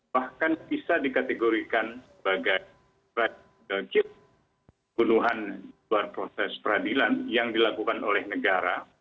bahkan bisa dikategorikan sebagai bunuhan luar proses peradilan yang dilakukan oleh negara